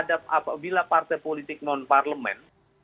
apabila partai politik non parlemen